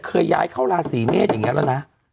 เคยย้ายเข้าราศีเมษอย่างนี้แล้วนะ